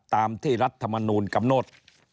ตามที่รัฐมนูลกำหนด